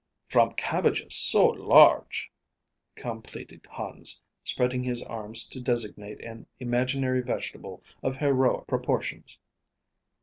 "From cabbages so large," completed Hans, spreading his arms to designate an imaginary vegetable of heroic proportions.